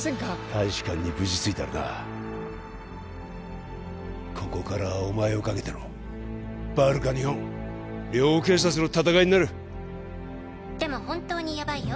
大使館に無事着いたらなここからはお前をかけてのバルカ日本両警察の戦いになる「でも本当にやばいよ